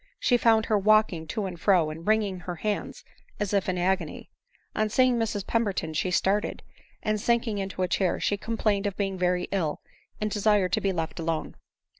She found her walking to and fro, and wringing her hands as if in agony. On see ing Mrs Pemberton she started, and sinking into a chair, she complained of being very ill, and desired to be left alone.